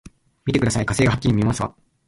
見てください、火星がはっきり見えますわ！